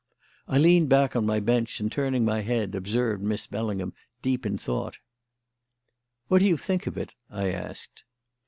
I leaned back on my bench, and, turning my head, observed Miss Bellingham deep in thought. "What do you think of it?" I asked.